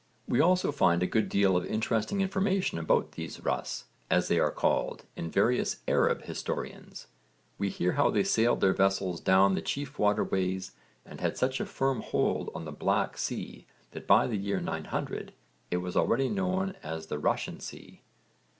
We also find a good deal of interesting information about these 'Rûs,' as they are called, in various Arab historians. We hear how they sailed their vessels down the chief waterways and had such a firm hold on the Black Sea that by the year 900 it was already known as the Russian Sea.